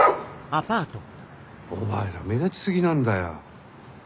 お前ら目立ちすぎなんだよ。